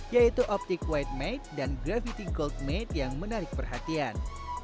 yaitu optic white made dan gravity gold made yang menarik perhatian